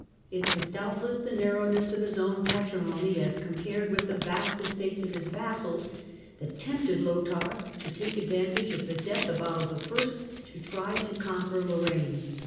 It was doubtless the narrowness of his own patrimony as compared with the vast estates of his vassals that tempted Lothair to take advantage of the death of Otto I. to try to conquer Lorraine.